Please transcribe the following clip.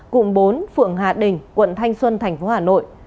cụm bốn phường hà đình quận thanh xuân thành phố hà nội